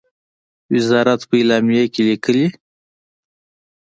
وزارت په اعلامیه کې لیکلی،